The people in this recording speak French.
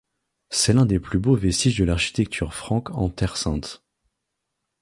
C'est l'un des plus beaux vestiges de l'architecture franque en Terre Sainte.